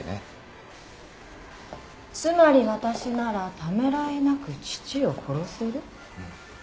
つまり私ならためらいなく父を殺せる？